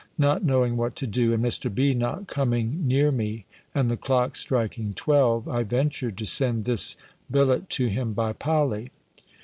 Not knowing what to do, and Mr. B. not coming near me, and the clock striking twelve, I ventured to send this billet to him, by Polly.